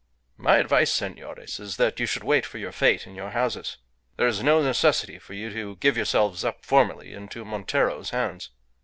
"My advice, senores, is that you should wait for your fate in your houses. There is no necessity for you to give yourselves up formally into Montero's hands.